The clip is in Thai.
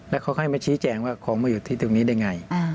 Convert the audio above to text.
และเขาให้มาชี้แจ้งว่าของมาอยู่ที่ตรงนี้ได้อย่างไร